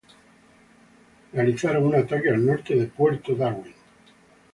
Realizaron un ataque al norte de puerto Darwin.